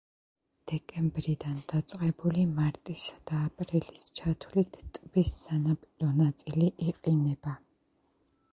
დეკემბრიდან დაწყებული მარტისა და აპრილის ჩათვლით ტბის სანაპირო ნაწილი იყინება.